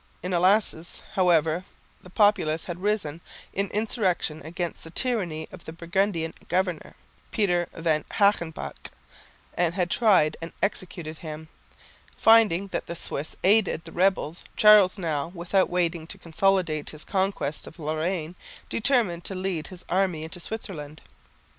In Elsass, however, the populace had risen in insurrection against the tyranny of the Burgundian governor, Peter van Hagenbach, and had tried and executed him. Finding that the Swiss had aided the rebels, Charles now, without waiting to consolidate his conquest of Lorraine, determined to lead his army into Switzerland.